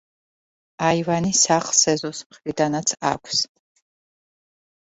აივანი სახლს ეზოს მხრიდანაც აქვს.